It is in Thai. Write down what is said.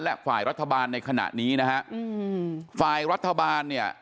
และฝ่ายรัฐบาลในขณะนี้นะฮะอืมฝ่ายรัฐบาลเนี่ย